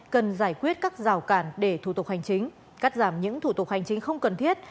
cần giải quyết các rào cản để thủ tục hành chính cắt giảm những thủ tục hành chính không cần thiết